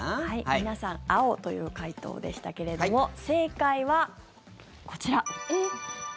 皆さん青という回答でしたけれども正解はこちら。